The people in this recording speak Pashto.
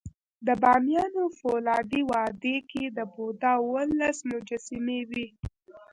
د بامیانو فولادي وادي کې د بودا اوولس مجسمې وې